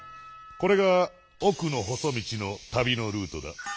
これが「おくのほそ道」の旅のルートだ。